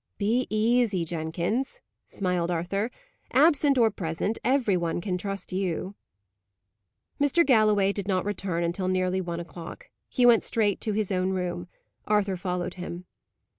"Be easy, Jenkins," smiled Arthur. "Absent or present, every one can trust you." Mr. Galloway did not return until nearly one o'clock. He went straight to his own room. Arthur followed him.